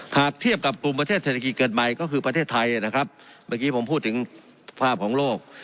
หากเทียบกับกลุ่มประเทศเศรษฐกิจเกิดใหม่ก็คือประเทศไทยนะครับเมื่อกี้ผมพูดถึงภาพของโลก